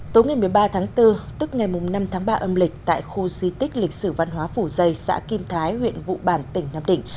tối ngày một mươi ba tháng bốn tức ngày năm tháng ba âm lịch tại khu di tích lịch sử văn hóa phủ dây xã kim thái huyện vụ bản tỉnh nam định